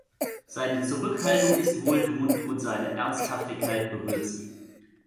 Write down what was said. Seine Zurückhaltung ist wohltuend und seine Ernsthaftigkeit berührt sie.